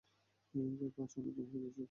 পাঁচ অনেক কম হয়ে যায়, স্যার।